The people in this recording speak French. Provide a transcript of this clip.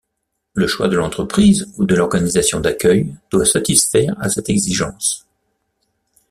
Le choix de l’entreprise ou de l’organisation d’accueil doit satisfaire à cette exigence.